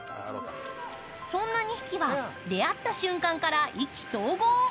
そんな２匹は、出会った瞬間から意気投合。